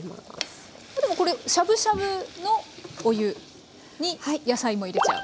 でもこれしゃぶしゃぶのお湯に野菜も入れちゃう？